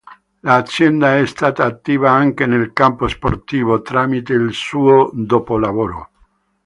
L'azienda è stata attiva anche nel campo sportivo, tramite il suo dopolavoro.